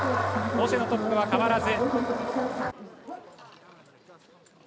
ボシェのトップは変わらず。